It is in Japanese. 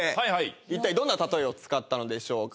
一体どんなたとえを使ったのでしょうか。